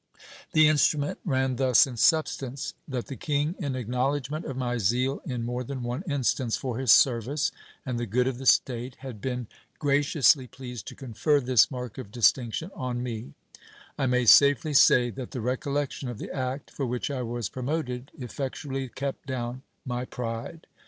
The instru ment ran thus in substance : That the king in acknowledgment of my zeal in more than one instance for his service and the good of the state, had been gra ciously pleased to confer this mark of distinction on me I may safely say that the recollection of the act for which I was promoted effectually kept down my 432 GIL BLAS. pride.